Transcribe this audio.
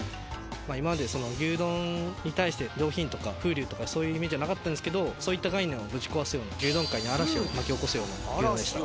今まで牛丼に対して上品とか風流とか、そういうイメージはなかったんですけど、そういった概念をぶち壊すような、牛丼界に嵐を巻き起こすような牛丼でした。